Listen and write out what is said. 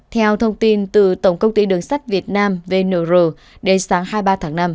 theo thông tin từ tổng công ty đường sắt việt nam vnr đến sáng hai mươi ba tháng năm